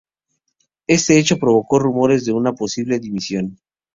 Este hecho provocó rumores de una posible dimisión.